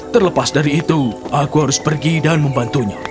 terlepas dari itu aku harus pergi dan membantunya